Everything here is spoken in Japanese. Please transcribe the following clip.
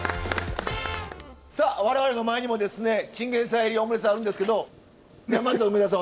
さあ我々の前にもですねチンゲンサイ入りオムレツあるんですけどまずは梅沢さん